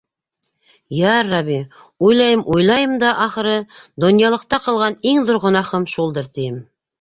Ярабби, уйлайым-уйлайым да, ахыры, донъялыҡта ҡылған иң ҙур гонаһым шулдыр тием.